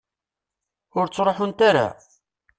Ur ttruḥunt ara?